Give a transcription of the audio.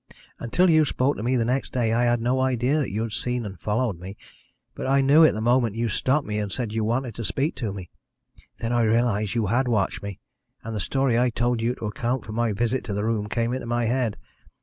"Until you spoke to me the next day I had no idea that you had seen and followed me. But I knew it the moment you stopped me and said you wanted to speak to me. Then I realised you had watched me, and the story I told you to account for my visit to the room came into my head.